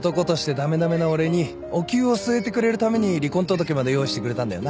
駄目な俺におきゅうを据えてくれるために離婚届まで用意してくれたんだよな？